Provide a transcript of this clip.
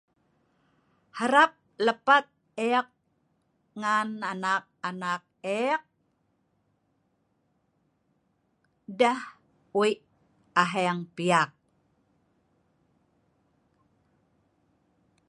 Harap lepat eek ngan anak-anak eek, deeh wei aheeng piyak